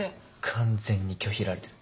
完全に拒否られてる。